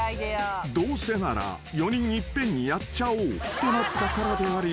［どうせなら４人いっぺんにやっちゃおうとなったからであり］